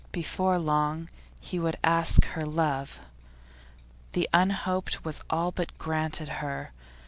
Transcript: Before long he would ask her love. The unhoped was all but granted her.